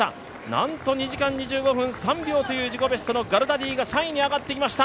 なんと、２時間２５分３秒というタイムの自己ベストのガルダディが３位に上がってきました！